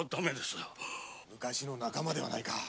昔の仲間ではないか！